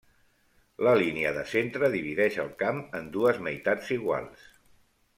La línia de centre divideix el camp en dues meitats iguals.